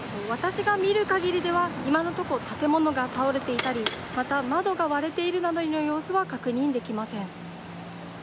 私が見るかぎりでは今のところ建物が倒れていたり窓が割れているというような様子は確認できません。